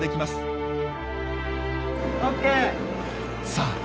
さあ